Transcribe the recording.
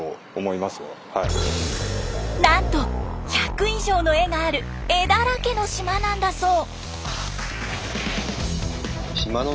なんと１００以上の絵がある絵だらけの島なんだそう。